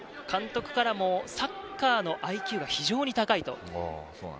監督からもサッカーのＩＱが非常に高いと。